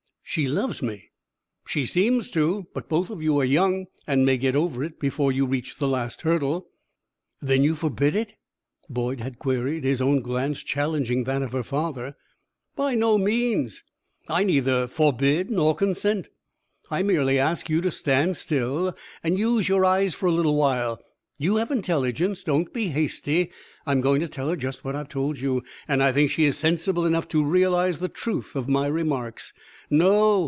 "She loves me." "She seems to. But both of you are young and may get over it before you reach the last hurdle." "Then you forbid it?" Boyd had queried, his own glance challenging that of her father. "By no means. I neither forbid nor consent. I merely ask you to stand still and use your eyes for a little while. You have intelligence. Don't be hasty. I am going to tell her just what I have told you, and I think she is sensible enough to realize the truth of my remarks. No!